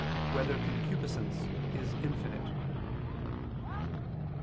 4] Whether Concupiscence Is Infinite?